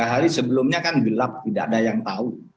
tiga hari sebelumnya kan gelap tidak ada yang tahu